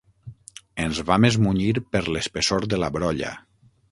Ens vam esmunyir per l'espessor de la brolla.